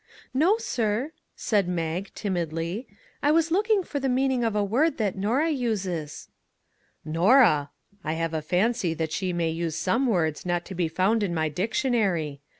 " No, sir," said Mag, timidly; " I was look ing for the meaning of a word that Norah uses." " Norah ! I have a fancy that she may use some words not to be found in my dictionary.